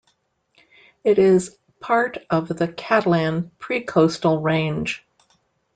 It is part of the Catalan Pre-Coastal Range.